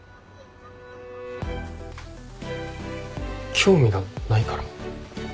興味がないから。